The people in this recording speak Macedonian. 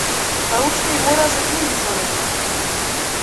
Па уште и мора да се дружи со нив.